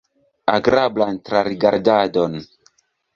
Agrablan trarigardadon!